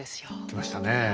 きましたねえ。